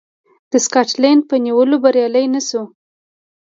د سکاټلنډ په نیولو بریالی نه شو.